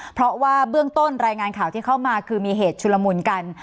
เพราะว่าเบื้องต้นรายงานข่าวที่เข้ามาคือมีเหตุชุลมุนกัน